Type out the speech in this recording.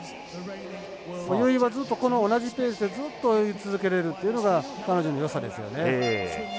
泳ぎは、この同じペースでずっと泳ぎ続けれるっていうのが彼女のよさですよね。